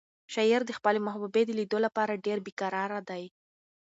شاعر د خپلې محبوبې د لیدو لپاره ډېر بې قراره دی.